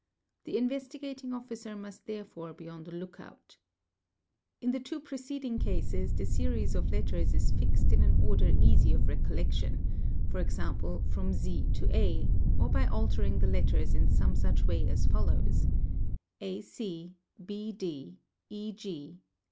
The Investigating Officer must therefore be on the look out. In the two preceeding cases the series of letters is fixed in an order | easy of recollection, e.g., from z to a, or by altering the letters in some | such way as follows :— mine b d, e.